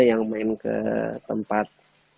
yang main ke tempat